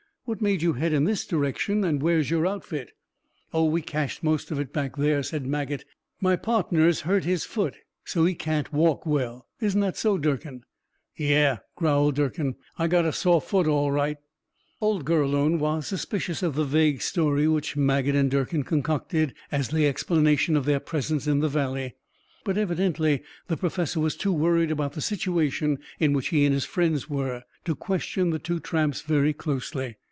"What made you head in this direction, and where's your outfit?" "Oh, we cached most of it back there," said Maget. "My partner's hurt his foot, so he can't walk well. Isn't that so, Durkin?" "Yeh," growled Durkin. "I got a sore foot, all right." Old Gurlone was suspicious of the vague story which Maget and Durkin concocted as the explanation of their presence in the valley. But evidently the Professor was too worried about the situation in which he and his friends were, to question the two tramps very closely.